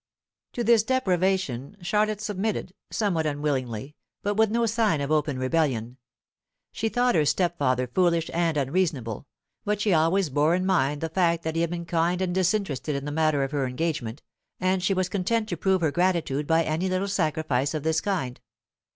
To this deprivation Charlotte submitted, somewhat unwillingly, but with no sign of open rebellion. She thought her stepfather foolish and unreasonable; but she always bore in mind the fact that he had been kind and disinterested in the matter of her engagement, and she was content to prove her gratitude by any little sacrifice of this kind.